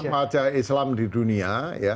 saya kira wajah islam di dunia